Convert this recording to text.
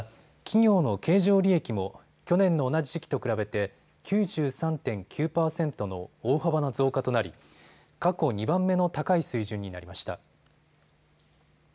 また去年の同じ時期と比べて、９３．９％の大幅な増加となり過去２番目の高い水準になりました。